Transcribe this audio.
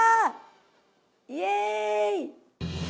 イエーイ！